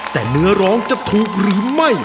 แต่เนื้อร้องจะถูกหรือไม่